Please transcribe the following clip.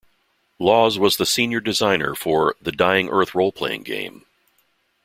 Laws was the senior designer for "The Dying Earth Roleplaying Game".